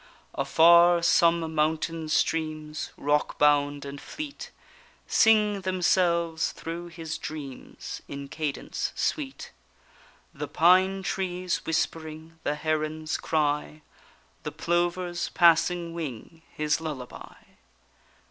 Afar some mountain streams, rockbound and fleet, Sing themselves through his dreams in cadence sweet, The pine trees whispering, the heron's cry, The plover's passing wing, his lullaby.